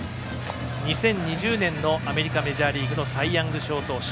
２０２０年のアメリカ・メジャーリーグのサイ・ヤング賞投手。